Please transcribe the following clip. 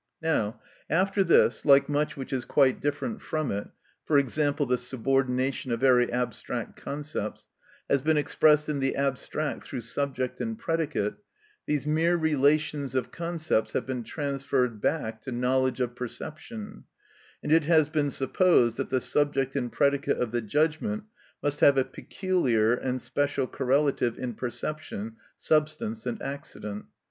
Now, after this, like much which is quite different from it (for example, the subordination of very abstract concepts), has been expressed in the abstract through subject and predicate, these mere relations of concepts have been transferred back to knowledge of perception, and it has been supposed that the subject and predicate of the judgment must have a peculiar and special correlative in perception, substance and accident.